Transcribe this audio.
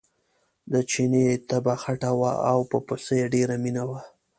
د چیني طبعه خټه وه او په پسه یې ډېره مینه وه.